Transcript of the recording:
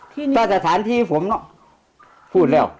ต้นฐานที่ผมเนอะพูดแล้ว